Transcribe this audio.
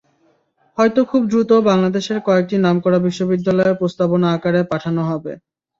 হয়তো খুব দ্রুত বাংলাদেশের কয়েকটি নামকরা বিশ্ববিদ্যালয়ে প্রস্তাবনা আকারে পাঠানো হবে।